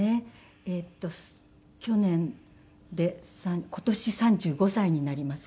えーっと去年で今年３５歳になりますから。